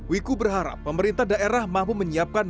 wiku berharap pemerintah daerah mampu menyiapkan